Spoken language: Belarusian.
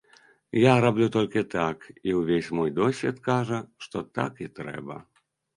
Я раблю толькі так, і ўвесь мой досвед кажа, што так і трэба.